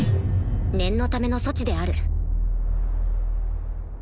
念のための措置である